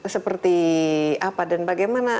seperti apa dan bagaimana